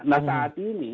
nah saat ini